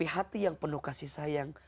hati yang penuh kasih sayang